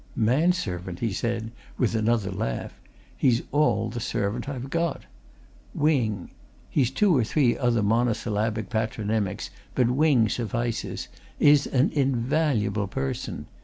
"Man servant!" he said, with another laugh. "He's all the servant I've got. Wing he's too or three other monosyllabic patronymics, but Wing suffices is an invaluable person.